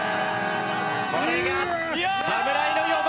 これが侍の４番！